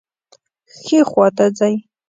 ښي خواته ځئ